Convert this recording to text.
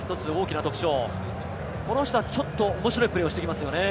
この人はちょっと面白いプレーをしてきますよね。